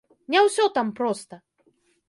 Не ўсё там проста.